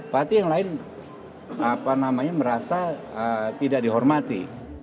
pasti yang lain merasa tidak dihormati